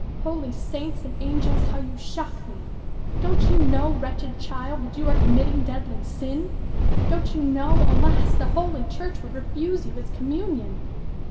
Holy saints and angels! how you shock me. Don't you know, wretched child, that you are committing deadly sin? Don't you know, alas! the holy church would refuse you its communion?"